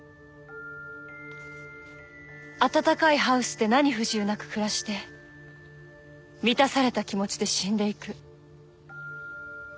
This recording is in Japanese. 温かいハウスで何不自由なく暮らして満たされた気持ちで死んでいく。